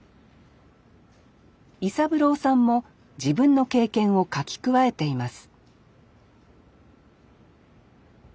伊三郎さんも自分の経験を書き加えています